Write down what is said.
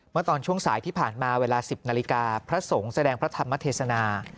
เมื่อตอนช่วงสายที่ผ่านมาเวลา๑๐นาฬิกาพระสงฆ์แสดงพระธรรมเทศนา